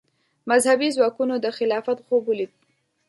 مذهبي ځواکونو د خلافت خوب ولید